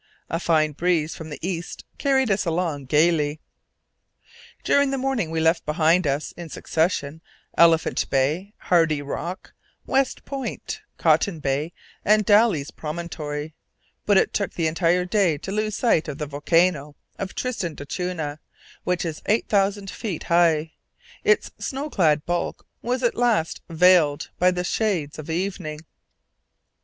A fine breeze from the east carried us along gaily. During the morning we left behind us in succession Elephant Bay, Hardy Rock, West Point, Cotton Bay, and Daly's Promontory; but it took the entire day to lose sight of the volcano of Tristan d'Acunha, which is eight thousand feet high; its snow clad bulk was at last veiled by the shades of evening.